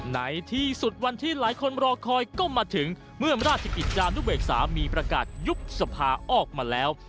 ในที่สุดวันที่หลายคนรอคอยก็มาถึงเมื่อราชกิจจานุเบกษามีประกาศยุบสภาออกมาแล้ว